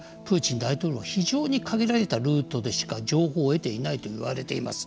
プーチン大統領は非常に限られたルートでしか情報を得ていないと言われています。